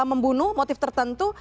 untuk membunuh motif tertentu